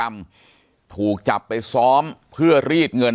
ปากกับภาคภูมิ